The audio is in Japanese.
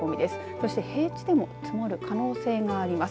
そして平地でも積もる可能性もあります。